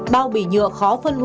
bao bị nhựa khó phân hủy